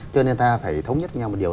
cho nên ta phải thống nhất nhau một điều